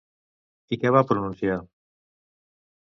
I què va pronunciar?